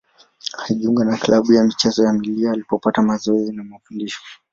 Alijiunga na klabu ya michezo ya Mila alipopata mazoezi na mafundisho.